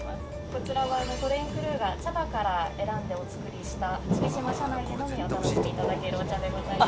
こちらはトレインクルーが茶葉から選んでお作りした四季島車内でのみお楽しみいただけるお茶でございます。